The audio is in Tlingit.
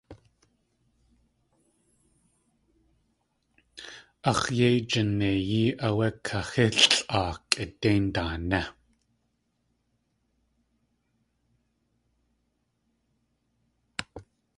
Ax̲ yéi jineiyí áwé kaxílʼaa kʼidéin daané.